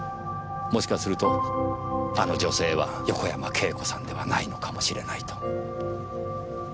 もしかするとあの女性は横山慶子さんではないのかもしれないと。